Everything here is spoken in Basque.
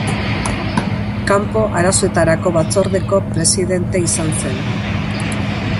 Kanpo Arazoetarako Batzordeko presidente izan zen.